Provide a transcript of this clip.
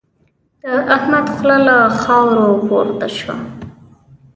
د احمد خوله له خاورو پورته شوه.